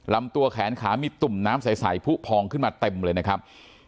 ลำตัวแขนขามีตุ่มน้ำใสผู้พองขึ้นมาเต็มเลยนะครับ